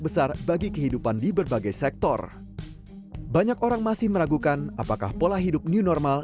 besar bagi kehidupan di berbagai sektor banyak orang masih meragukan apakah pola hidup new normal